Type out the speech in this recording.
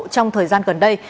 trong thời gian gần đây